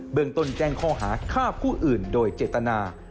เมืองต้นแจ้งข้อหาฆ่าผู้อื่นโดยเจตนา